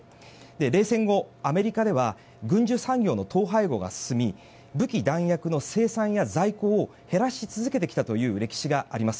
冷戦後、アメリカでは軍需産業の統廃合が進み武器・弾薬の生産や在庫を減らし続けてきたという歴史があります。